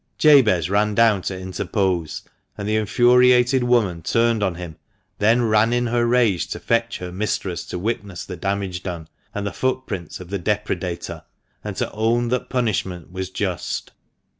Jabez ran down to interpose, and the infuriated woman turned on him, then ran in her rage to fetch her mistress to witness 140 THE MANCHESTER MAN. the damage done, and the footprints of the depredator, and to own that punishment was just.